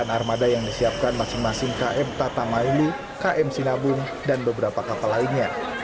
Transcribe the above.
delapan armada yang disiapkan masing masing km tatamailu km sinabung dan beberapa kapal lainnya